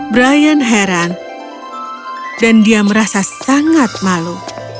brian heran dan dia merasa sangat malu